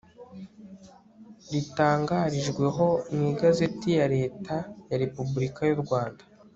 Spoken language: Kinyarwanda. ritangarijweho mu igazeti ya leta ya repubulika y'u rwanda